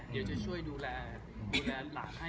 เดี๋ยวจะช่วยดูแลดูแลหลานให้